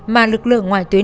mà lực lượng ngoại tuyến